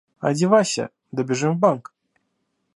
Одевайся, да бежим в банк.